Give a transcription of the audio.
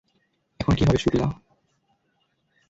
এখন কি হবে শুক্লা?